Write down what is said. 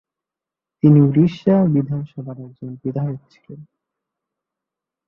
তিনি ওড়িশা বিধানসভার একজন বিধায়ক ছিলেন।